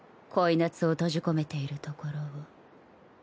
夏を閉じ込めているところを。